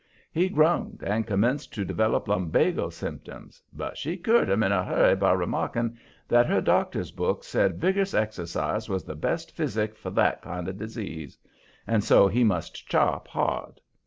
He groaned and commenced to develop lumbago symptoms, but she cured 'em in a hurry by remarking that her doctor's book said vig'rous exercise was the best physic, for that kind of disease, and so he must chop hard.